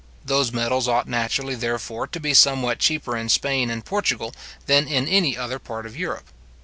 Those metals ought naturally, therefore, to be somewhat cheaper in Spain and Portugal than in any other part of Europe.